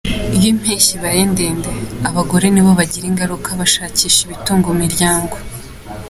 Iyo impeshyi ibaye ndende, abagore nibo bigiraho ingaruka bashakisha ibitunga imiryango.